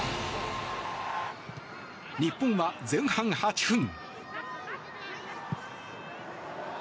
日本は前半８分。